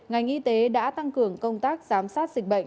ngành y tế đã tăng cường công tác giám sát dịch bệnh